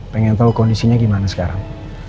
pengen tahu kondisinya gimana sekarang